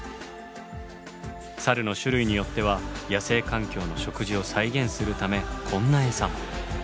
サルの種類によっては野生環境の食事を再現するためこんなエサも。